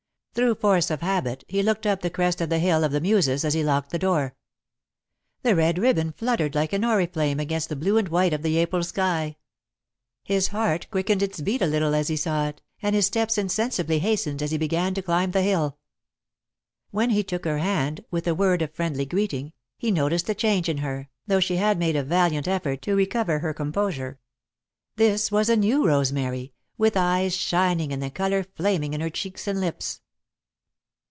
Through force of habit, he looked up to the crest of the Hill of the Muses as he locked the door. The red ribbon fluttered like an oriflamme against the blue and white of the April sky. His heart quickened its beat a little as he saw it, and his steps insensibly hastened as he began to climb the hill. When he took her hand, with a word of friendly greeting, he noticed a change in her, though she had made a valiant effort to recover her composure. This was a new Rosemary, with eyes shining and the colour flaming in her cheeks and lips.